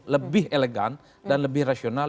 lebih elegan dan lebih rasional